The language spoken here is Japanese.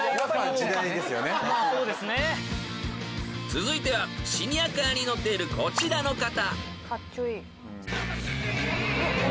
［続いてはシニアカーに乗っているこちらの方］